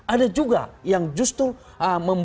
ada juga yang justru membuat